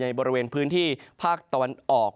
บริเวณพื้นที่ภาคตะวันออก